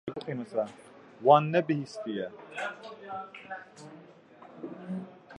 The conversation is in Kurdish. Wan nebihîstiye.